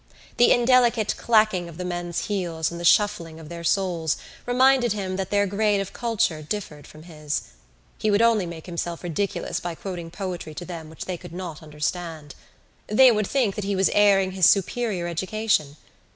The indelicate clacking of the men's heels and the shuffling of their soles reminded him that their grade of culture differed from his. He would only make himself ridiculous by quoting poetry to them which they could not understand. They would think that he was airing his superior education.